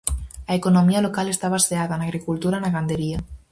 A economía local está baseada na agricultura e na gandería.